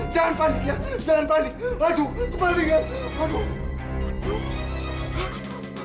jangan pandi ya jangan pandi waduh kemalingan waduh